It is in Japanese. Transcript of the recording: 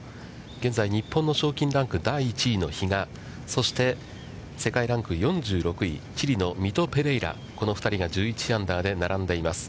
現在、日本の賞金ランク第１位の比嘉、そして、世界ランク４６位、ミト・ペレイラ、この２人が１１アンダーで並んでいます。